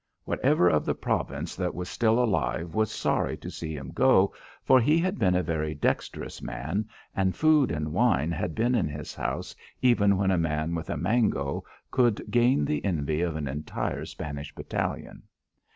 Whatever of the province that was still alive was sorry to see him go for he had been a very dexterous man and food and wine had been in his house even when a man with a mango could gain the envy of an entire Spanish battalion.